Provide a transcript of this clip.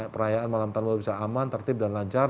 perayaan malam malam bisa aman tertib dan lancar